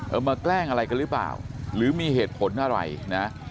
มาแกล้งอะไรกันหรือเปล่าหรือมีเหตุผลอะไรนะ